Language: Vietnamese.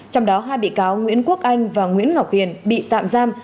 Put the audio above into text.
trong đó hai bị cáo nguyễn quốc anh và nguyễn ngọc hiền bị tạm giam